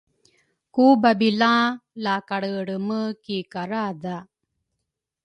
ku babila la kalrelreme ki karadha